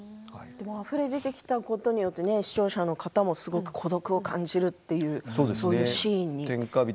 あふれ出てきたことによって視聴者の方も孤独を感じるとそういうシーンに。